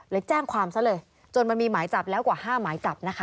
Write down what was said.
เลยแจ้งความซะเลย